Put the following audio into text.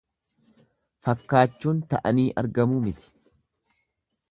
Fakkaachuun ta'anii argamu miti.